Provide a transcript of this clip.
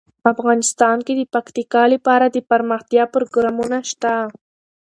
افغانستان کې د پکتیکا لپاره دپرمختیا پروګرامونه شته.